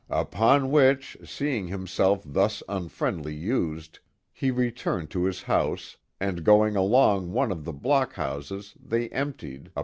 Upon which, seeing himself thus unfriendly used, he returned to his house, and going along one of (he block houses, ihey emptied